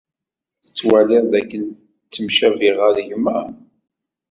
Tettwaliḍ dakken ttemcabiɣ ɣer gma?